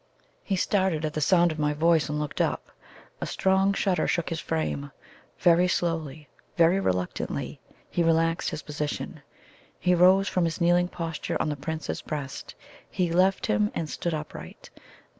He started at the sound of my voice, and looked up. A strong shudder shook his frame. Very slowly, very reluctantly, he relaxed his position; he rose from his kneeling posture on the Prince's breast he left him and stood upright.